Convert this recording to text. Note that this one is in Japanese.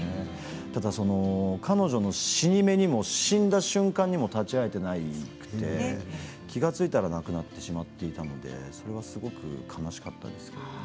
ただ彼女の死に目にも、死んだ瞬間にも立ち会えていなくて気が付いたら亡くなってしまっていたのでそれがすごく悲しかったですけどね。